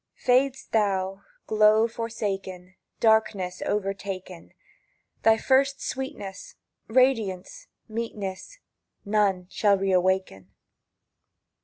Fad'st thou, glow forsaken, Darkness overtaken! Thy first sweetness, Radiance, meetness, None shall re awaken.